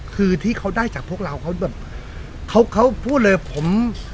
คือที่เขาได้จากพวกเราเขาแบบเขาเขาพูดเลยผม